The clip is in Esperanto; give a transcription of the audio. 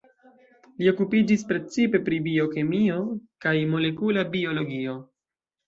Li okupiĝis precipe pri biokemio kaj molekula biologio.